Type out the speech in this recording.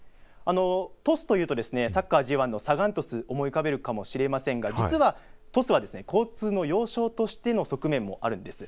鳥栖というと、サッカーＪ１のサガン鳥栖を思い浮かべるかもしれませんが、実は実は鳥栖は交通の要衝としての側面もあるんです。